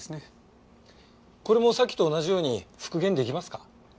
これもさっきと同じように復元できますか？